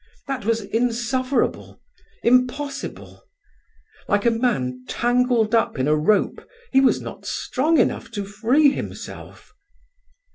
That was insufferable—impossible! Like a man tangled up in a rope, he was not strong enough to free himself.